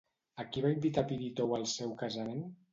A qui va invitar Pirítou al seu casament?